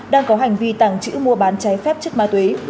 đang có hành vi tàng trữ mua bán cháy phép chất ma túy